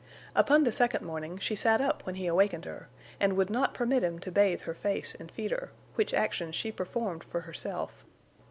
Upon the second morning she sat up when he awakened her, and would not permit him to bathe her face and feed her, which actions she performed for herself.